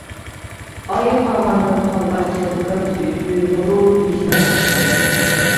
ئاي قاغاندىن قالغاچ يادىكار سۆيگۈ، غۇرۇر، ۋىجدان سۇپىسى.